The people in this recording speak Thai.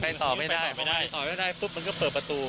ต่อไม่ได้ไม่ได้ไปต่อไม่ได้ปุ๊บมันก็เปิดประตู